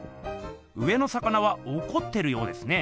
上の魚はおこってるようですね。